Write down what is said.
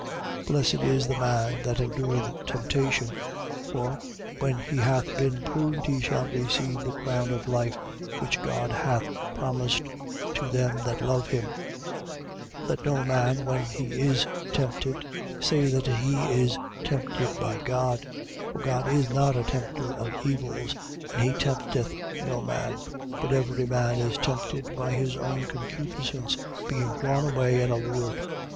1:12. Blessed is the man that endureth temptation: for, when he hath been proved, he shall receive the crown of life which God hath promised to them that love him. 1:13. Let no man, when he is tempted, say that he is tempted by God. For God is not a tempter of evils: and he tempteth no man. 1:14. But every man is tempted by his own concupiscence, being drawn away and allured.